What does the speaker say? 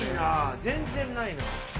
全然ないな。